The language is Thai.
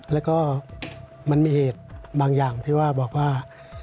แล้วก็มันมีเหตุบางอย่างที่ว่าบอกว่า